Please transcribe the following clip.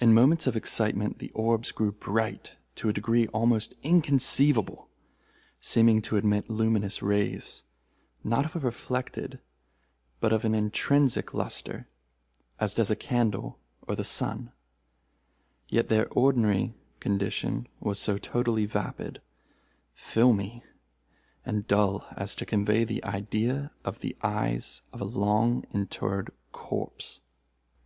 In moments of excitement the orbs grew bright to a degree almost inconceivable; seeming to emit luminous rays, not of a reflected but of an intrinsic lustre, as does a candle or the sun; yet their ordinary condition was so totally vapid, filmy, and dull as to convey the idea of the eyes of a long interred corpse.